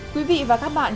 quý vị và các bạn